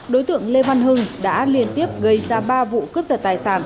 đối tượng lê văn hưng đã liên tiếp gây ra ba vụ cướp giật tài sản